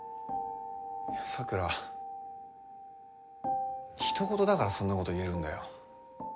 咲良ひと事だからそんなこと言えるんだよ。